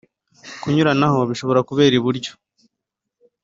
kunyuranaho bishobora kubera iburyo